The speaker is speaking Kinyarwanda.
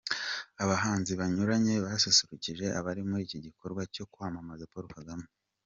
Abahanzi banyuranye basusurukije abari muri iki gikorwa cyo kwamamaza Paul Kagame.